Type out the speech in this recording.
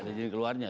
ada izin keluarnya